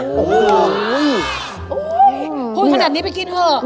โอ้ขนาดนี้ไปกินเถอะ